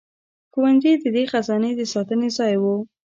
ښوونځي د دې خزانې د ساتنې ځای وو.